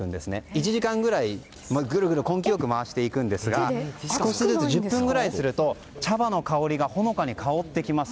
１時間ぐらいぐるぐる根気よく回していきますが１０分ぐらいすると茶葉の香りがほのかに香ってきます。